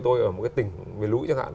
tôi ở một cái tỉnh về lũy chẳng hạn